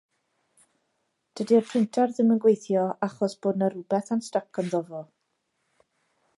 Dydi'r printar ddim yn gweithio achos bod 'na rywbath yn styc ynddo fo.